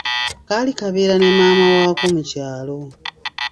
Kaali kabeera ne maama waako mu kyalo.